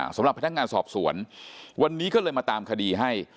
สำหรับพนักงานสอบสวนวันนี้ก็เลยมาตามคดีให้